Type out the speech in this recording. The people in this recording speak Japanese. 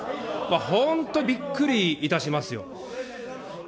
本当、びっくりいたしますよ。